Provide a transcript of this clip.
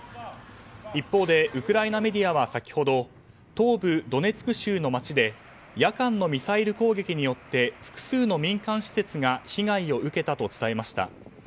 一方で、ウクライナメディアは先ほど東部ドネツク州の街で夜間のミサイル攻撃によって複数の民間施設が被害を受けたと伝えました。